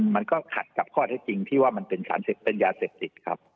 มันก็ขัดกับข้อที่จริงที่ว่ามันเป็นยาเสพติดครับ